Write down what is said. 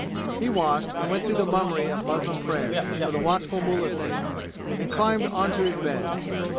He washed and went through the mummery of muslim prayers for the watchful mullah's sake, and climbed on to his bed.